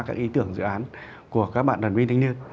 các ý tưởng dự án của các bạn đoàn viên thanh niên